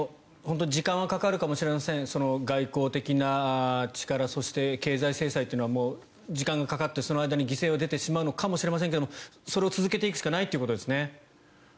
時間はかかるかもしれません外交的な力そして経済制裁というのはもう時間がかかってその間に犠牲は出てしまうのかもしれないんですがそれを続けていくしかないということですね。